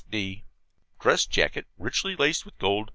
s. d Dress Jacket, richly laced with gold